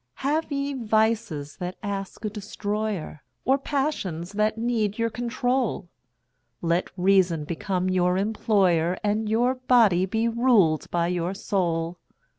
Have ye vices that ask a destroyer? Or passions that need your control? Let Reason become your employer, And your body be ruled by your soul.